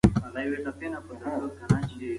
دا هغه خاموشي ده چې د انسان هوښیاري زیاتوي.